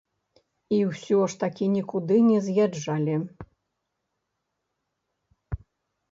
І ўсё ж такі нікуды не з'язджалі.